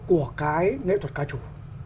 của cái nghệ thuật ca chủ